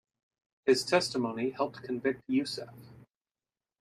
His testimony helped convict Yousef.